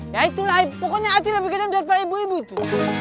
ya itulah pokoknya acil lebih kejam daripada ibu ibu itu